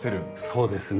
そうですね。